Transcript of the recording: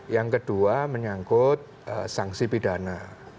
yang kedua menyangkut sanksi pidana